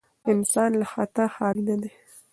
انسان له خطا خالي نه دی.